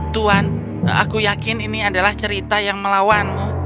tuan aku yakin ini adalah cerita yang melawanmu